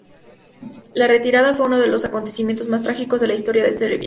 La retirada fue uno de los acontecimientos más trágicos en la historia de Serbia.